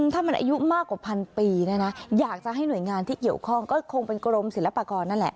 ถ้ามันอายุมากกว่าพันปีเนี่ยนะอยากจะให้หน่วยงานที่เกี่ยวข้องก็คงเป็นกรมศิลปากรนั่นแหละ